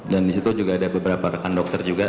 dan disitu juga ada beberapa rekan dokter juga